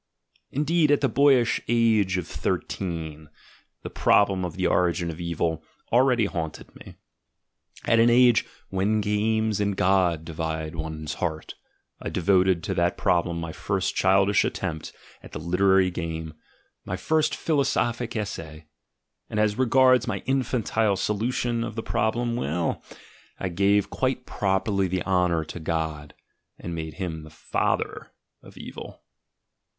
Indeed, at the boyish age of thirteen the problem of the origin of Evil already haunted me: at an age "when games and God divide one's heart," I devoted to that problem my first childish at tempt at the literary game, my first philosophic essay— iv PREFACE and as regards my infantile solution of the problem, well, I gave quite properly the honour to God, and made him the father of evil.